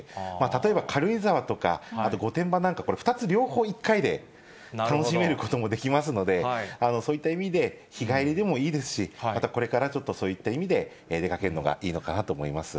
例えば軽井沢とか、あと、御殿場なんか、２つ、両方１回で楽しめることもできますので、そういった意味で、日帰りでもいいですし、またこれからちょっとそういった意味で、出かけるのがいいのかなと思います。